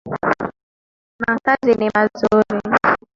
Makazi ni mazuri.